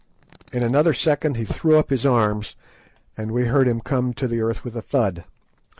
In another second he threw up his arms, and we heard him come to the earth with a thud.